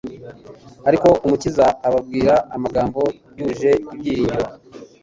Ariko Umukiza ababwira amagambo yuje ibyiringiro.